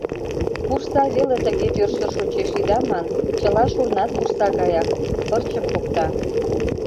Пурса веле тыге тӧрсыр шочеш ида ман, чыла шурнат пурса гаяк, пырчым покта.